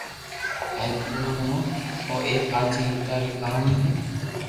ھين او ھڻو او ايڪ ھاچي ھردا ري ڪہاني ھي